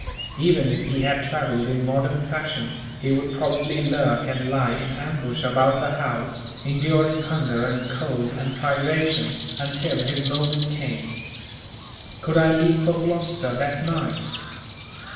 Even if he had travelled in modern fashion, he would probably lurk and lie in ambush about the house, enduring hunger and cold and privation, until his moment came. Could I leave for Gloucester that night?